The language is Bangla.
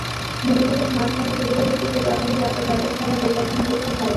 ভবিষ্যতে স্মার্টফোনের সুবিধাযুক্ত ছোট আকারের ল্যাপটপ বাজারে ছাড়ার পরিকল্পনা করছে ভায়ো।